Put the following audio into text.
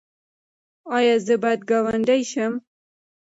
ایا زه باید ګاونډی شم؟